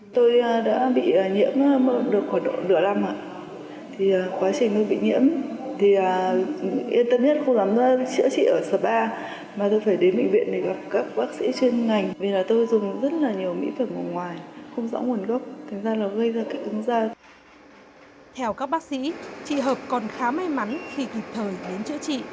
theo các bác sĩ chị hợp còn khá may mắn khi kịp thời đến chữa trị